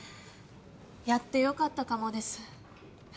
やってよかったかもです。